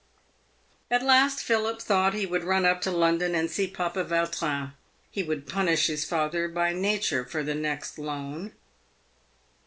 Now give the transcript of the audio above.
At last Philip thought he would run up to London and see papa Vautrin. He would punish his father by nature for the next loan.